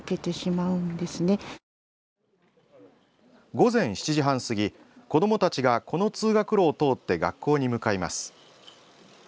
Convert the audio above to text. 午前７時半過ぎ子どもたちがこの通学路を通って学校に向かいます。